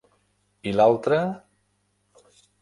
I l'altre...?